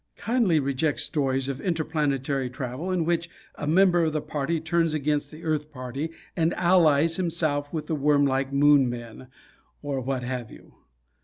Kindly reject stories of interplanetary travel in which a member of the party turns against the Earth party and allies himself with the wormlike Moon men, or what have you.